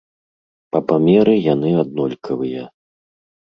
Па памеры яны аднолькавыя.